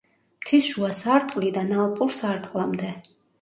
მთის შუა სარტყლიდან ალპურ სარტყლამდე.